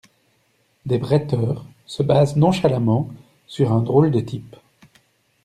Des bretteurs se basent nonchalamment sur un drôle de type.